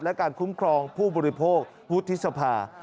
และการคุ้มครองผู้บริโภควุฒิสภา